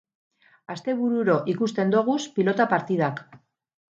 Astebururo ikusten doguz pilota partidak